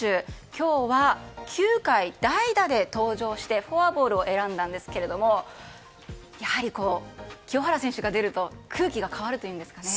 今日は９回、代打で登場してフォアボールを選んだんですがやはり清原選手が出ると空気が変わるというんですかね。